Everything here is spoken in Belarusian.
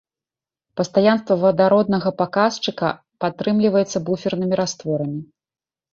Пастаянства вадароднага паказчыка падтрымліваецца буфернымі растворамі.